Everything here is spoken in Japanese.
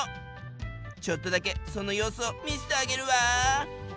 ちょっとだけその様子を見せてあげるわ。